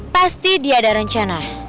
pasti dia ada rencana